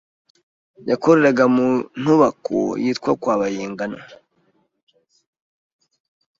Yakoreraga mu ntubako yitwa Kwa Bayingana